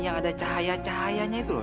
yang ada cahaya cahayanya itu loh